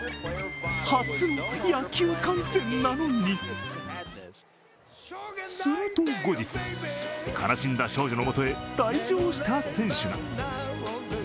初の野球観戦なのにすると後日、悲しんだ少女の元へ、退場した選手が。